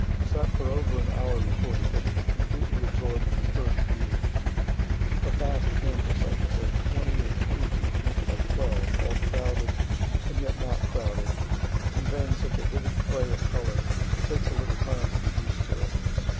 Sat for over an hour before the picture, completely absorb'd in the first view. A vast canvas, I should say twenty or twenty two feet by twelve, all crowded, and yet not crowded, conveying such a vivid play of color, it takes a little time to get used to it.